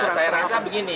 ya saya rasa begini